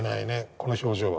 この表情は。